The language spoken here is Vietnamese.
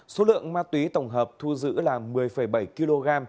số lượng ma túy tổng hợp thu giữ là một mươi bảy kg